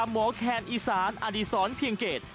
หมอแคนอีสานอดีศรเพียงเกต